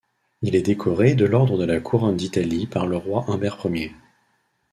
Il est décoré de l'ordre de la Couronne d'Italie par le roi Humbert Ier.